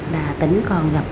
là tỉnh còn gặp